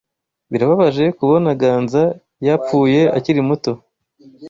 Birababaje kubona Ganza yapfuye akiri muto.